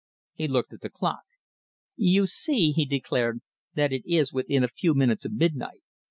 He looked at the clock. "You see," he declared, "that it is within a few minutes of midnight.